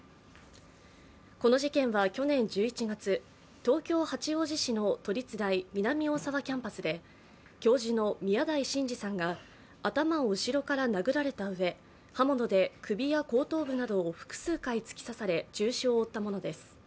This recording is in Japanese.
この事件は去年１１月東京・八王子市の都立大南大沢キャンパスで教授の宮台真司さんが頭を後ろから殴られたうえ刃物で首や後頭部などを複数回突き刺され、重傷を負ったものです。